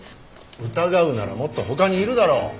疑うならもっと他にいるだろう。